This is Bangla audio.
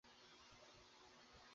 হে প্রভু, তোমার নামে কলঙ্ক না হয় যেন।